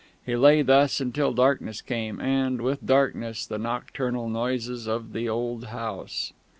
He lay thus until darkness came, and, with darkness, the nocturnal noises of the old house....